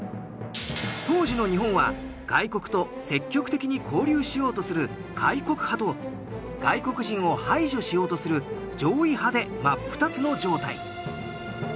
当時の日本は外国と積極的に交流しようとする開国派と外国人を排除しようとする攘夷派で真っ二つの状態。